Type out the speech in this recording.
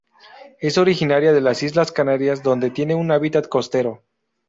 Es originaria de las Islas Canarias, donde tiene un hábitat costero.